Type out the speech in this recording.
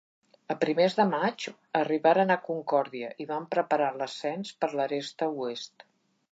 A primers de maig arribaren a Concòrdia i van preparar l'ascens per l'aresta oest.